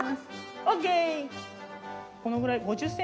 ＯＫ！